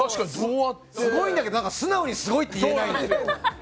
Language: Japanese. すごい、だけど素直にすごいって言えないんだよ。